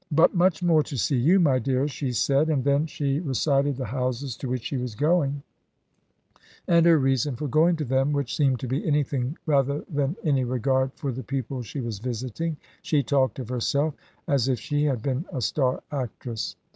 "But much more to see you, my dearest," she said, and then she recited the houses to which she was going, and her reason for going to them, which seemed to be anything rather than any regard for the people she was visiting. She talked of herself as if she had been a star actress.